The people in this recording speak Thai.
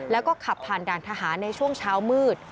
แล้วก็ขับผ่านด่านทหารในช่วงเช้ามืด